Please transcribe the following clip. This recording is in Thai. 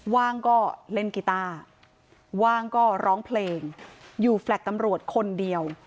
ว่างก็เล่นกีต้าว่างก็ร้องเพลงอยู่แฟลต์ตำรวจคนเดียว